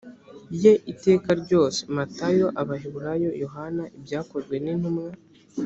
ye iteka ryose matayo abaheburayo yohani ibyakozwe n intumwa